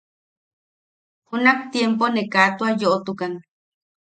Junak tiempo ne ka tua yoʼotukan.